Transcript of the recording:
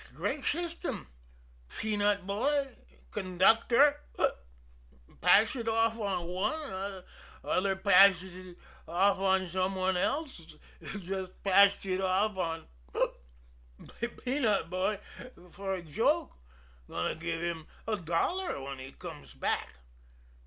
Great system peanut boy conductor hic! Pass it off on one other passes it off on some one else. Just passed it off on hic! peanut boy for a joke. Goin' to give him a dollar when he comes back."